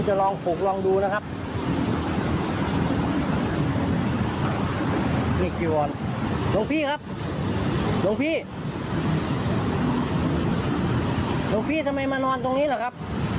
เพราะอันของมันมาตัวโดงผมให้พระนั่งพระความครับ